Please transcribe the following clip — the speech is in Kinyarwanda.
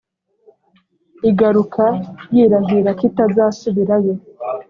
Igaruka yirahira kitazasubirayo